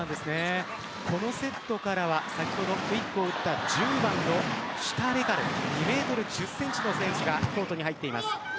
このセットから先ほどクイックを打った１０番のシュタレカルがコートに入っています。